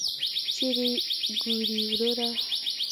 چیري ګورې وروره !